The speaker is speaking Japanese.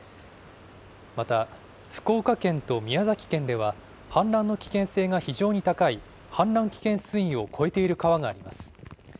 また福岡県と宮崎県では氾濫の危険性が非常に高い氾濫危険水位を超えている川があります。